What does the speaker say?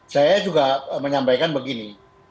saya juga menyampaikan begini